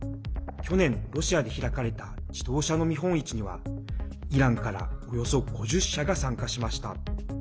去年、ロシアで開かれた自動車の見本市にはイランからおよそ５０社が参加しました。